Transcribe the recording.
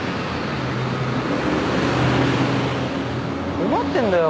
困ってんだよ。